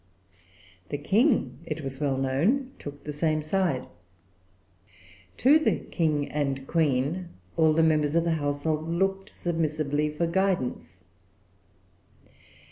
The King, it was well known, took the same side. To the King and Queen all the members of the household looked submissively for guidance.